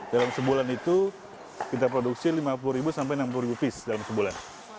dalam sebulan itu kita produksi lima puluh sampai enam puluh piece dalam sebulan